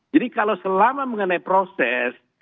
jadi kalau selama mengenai proses